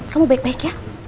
kamu baik baik ya